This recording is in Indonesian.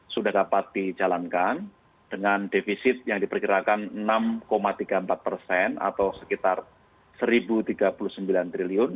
sudah dapat dijalankan dengan defisit yang diperkirakan enam tiga puluh empat persen atau sekitar rp satu tiga puluh sembilan triliun